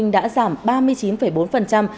đã giảm ba mươi chín bốn